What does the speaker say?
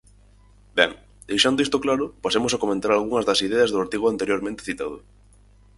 Ben, deixando isto claro pasemos a comentar algunhas das ideas do artigo anteriormente citado.